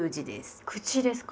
「口」ですか。